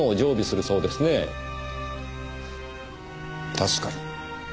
確かに。